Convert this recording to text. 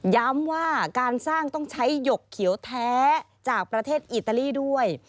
ย้ำว่าการสร้างต้องใช้หยกเขียวแท้จากประเทศอิตาลีด้วย